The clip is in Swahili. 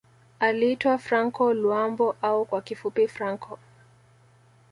Aliitwa Franco Luambo au kwa kifupi Franco